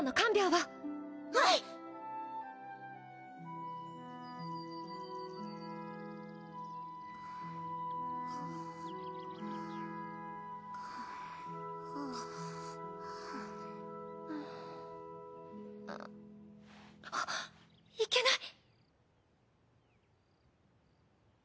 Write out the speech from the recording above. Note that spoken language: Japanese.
はっいけない！